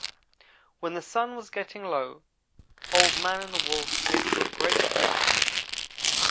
"When the sun was getting low Old man and the Wolf came to a great river.